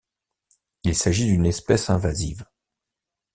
Il s'agit d'une espèce invasive.